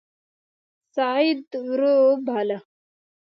سعد ور وباله.